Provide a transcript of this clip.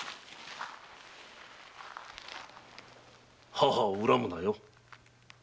母を恨むなよ。